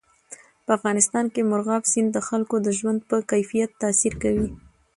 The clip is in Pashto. په افغانستان کې مورغاب سیند د خلکو د ژوند په کیفیت تاثیر کوي.